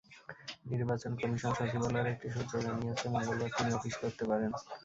নির্বাচন কমিশন সচিবালয়ের একটি সূত্র জানিয়েছে, মঙ্গলবার তিনি অফিস করতে পারেন।